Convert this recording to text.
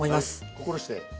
心して。